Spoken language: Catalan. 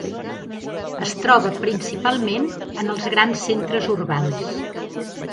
Es troba principalment en els grans centres urbans.